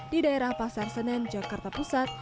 di daerah pasar senen jakarta pusat